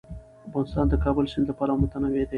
افغانستان د د کابل سیند له پلوه متنوع دی.